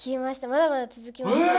まだまだつづきますよ。